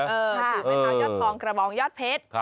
ถือไม้เท้ายอดทองกระบองยอดเพชร